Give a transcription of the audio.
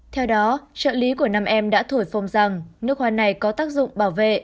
theo đó trợ lý của năm em đã thổi phồng rằng nước hoa này có tác dụng bảo vệ